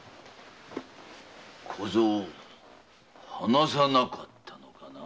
小僧話さなかったのかな。